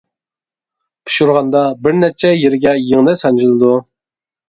پىشۇرغاندا بىر نەچچە يېرىگە يىڭنە سانجىلىدۇ.